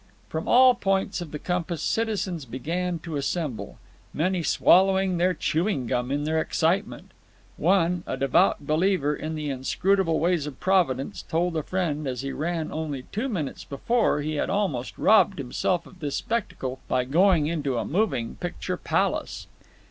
From all points of the compass citizens began to assemble, many swallowing their chewing gum in their excitement. One, a devout believer in the inscrutable ways of Providence, told a friend as he ran that only two minutes before he had almost robbed himself of this spectacle by going into a moving picture palace.